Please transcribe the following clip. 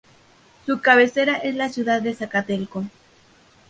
Su cabecera es la ciudad de Zacatelco.